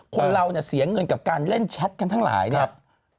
คนเราเนี่ยเสียเงินกับการเล่นแชทกันทั้งหลายเนี่ย